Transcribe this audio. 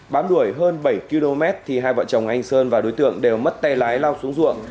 bám đuổi hơn bảy km thì hai vợ chồng anh sơn và đối tượng đều mất tay lái lao xuống ruộng